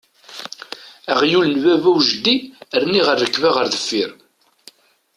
Aɣyul n baba u jeddi rniɣ rrekba ɣer deffier!